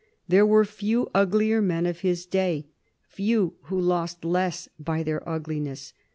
There were few uglier men of his day; few who lost less by their ugliness.